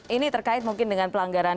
ini terkait mungkin dengan pelanggaran